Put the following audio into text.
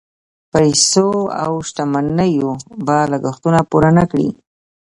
پیسو او شتمنیو به لګښتونه پوره نه کړي.